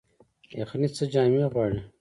یخني څه جامې غواړي؟